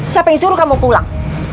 siapa yang suruh kamu pulang